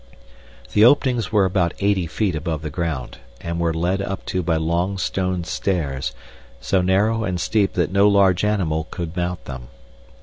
The openings were about eighty feet above the ground, and were led up to by long stone stairs, so narrow and steep that no large animal could mount them.